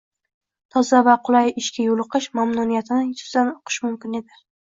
toza va kulay ishga yo'liqish mamnuniyatini yuzidan uqish mumkin edi.